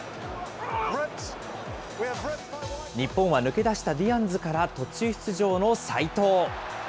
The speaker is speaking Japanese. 日本は抜け出したディアンズから途中出場の齋藤。